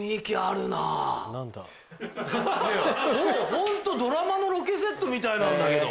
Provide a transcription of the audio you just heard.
ホントドラマのロケセットみたいなんだけど。